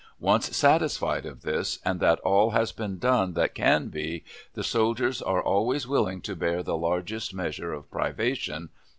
Once satisfied of this, and that all has been done that can be, the soldiers are always willing to bear the largest measure of privation.